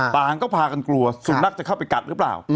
ต่างก็พากันกลัวสุนัขจะเข้าไปกัดหรือเปล่า